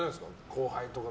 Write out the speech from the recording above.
後輩とか。